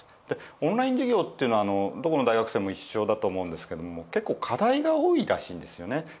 でオンライン授業っていうのはどこの大学生も一緒だと思うんですけども結構課題が多いらしいんですよね。